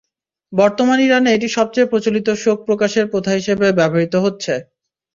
বর্তমান ইরানে এটি সবচেয়ে প্রচলিত শোক প্রকাশের প্রথা হিসেবে ব্যবহৃত হচ্ছে।